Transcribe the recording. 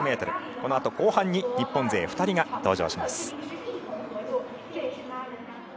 このあと後半に日本勢２人が登場します。